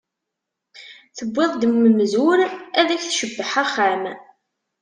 Tewwiḍ-d mm umzur, ad ak-tcebbeḥ axxam.